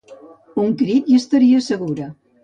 Un crit i estaria segura.